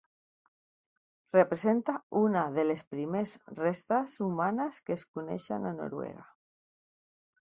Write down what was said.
Representa una de les primers restes humanes que es coneixen a Noruega.